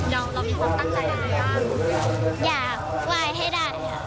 อยากว่ายให้ได้